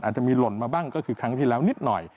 อาจจะมีหล่นมาบ้างก็คือครั้งที่แล้วนิดหน่อย